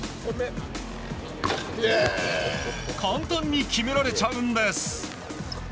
簡単に決められちゃうんです。